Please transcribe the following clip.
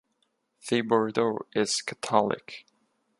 Thibodeau is Catholic.